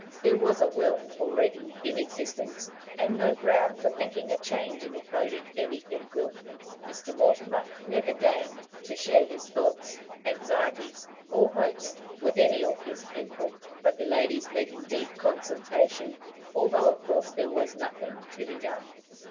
There was a will already in existence, and no ground for thinking a change in it boded anything good. Mr. Mortimer never deigned to share his thoughts, anxieties, or hopes with any of his people; but the ladies met in deep consultation, although of course there was nothing to be done.